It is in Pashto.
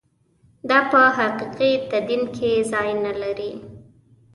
دا په حقیقي تدین کې ځای نه لري.